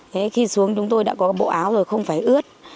thế khi xuống chúng tôi đã có bộ áo rồi không phải ướt